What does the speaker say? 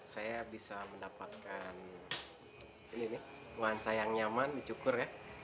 saya bisa mendapatkan nuansa yang nyaman dicukur ya